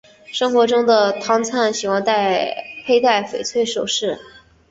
生活中的汤灿喜欢佩戴翡翠首饰。